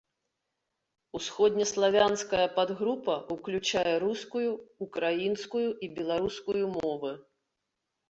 Усходнеславянская падгрупа ўключае рускую, украінскую і беларускую мовы.